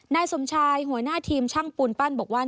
นายสมชายหัวหน้าทีมช่างปูนปั้นบอกว่า